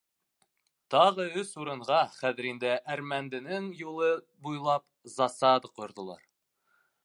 Тағы өс урынға, хәҙер инде әрмәнденең юлы буйлап, засада ҡорҙолар.